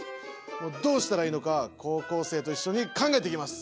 どうしたらいいのか高校生と一緒に考えていきます！